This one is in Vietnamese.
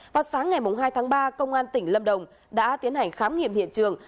vào sáng ngày hai tháng ba công an tỉnh lâm đồng đã tiến hành khám nghiệm hiện trường